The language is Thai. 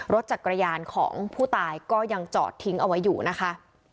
รถจักรยานของผู้ตายก็ยังจอดทิ้งเอาไว้อยู่นะคะ